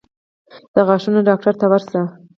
د غاښونو ډاکټر ته ورشئ